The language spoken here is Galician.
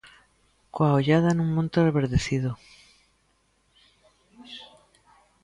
'Coa ollada nun monte reverdecido'.